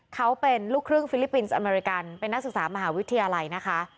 เขาเป็นลูกครึ่งฟิลิปปินส์อเมริกันเป็นนักศึกษามหาวิทยาลัยนะคะ